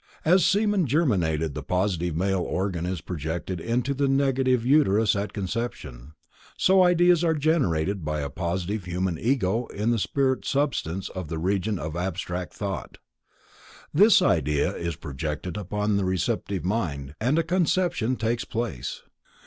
As semen germinated in the positive male organ is projected into the negative uterus at conception, so ideas are generated by a positive Human Ego in the spirit substance of the Region of abstract Thought. This idea is projected upon the receptive mind, and a conception takes place.